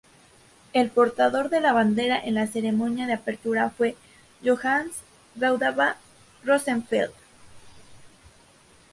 El portador de la bandera en la ceremonia de apertura fue Johannes Raudava-Rosenfeldt.